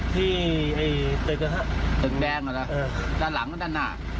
ที่น่ะแดงเลยล่ะเออด้านหลังด้านหน้า